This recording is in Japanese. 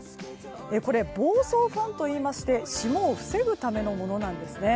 これ、防霜ファンといいまして霜を防ぐためのものなんですね。